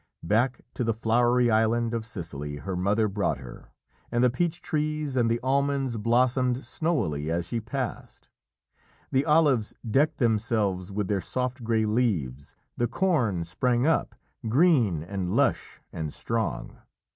Back to the flowery island of Sicily her mother brought her, and the peach trees and the almonds blossomed snowily as she passed. The olives decked themselves with their soft grey leaves, the corn sprang up, green and lush and strong.